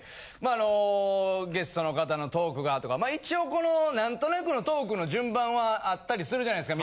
あのゲストの方のトークがとか一応この何となくのトークの順番はあったりするじゃないですか